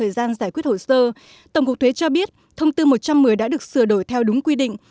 được sửa đổi theo đúng quy định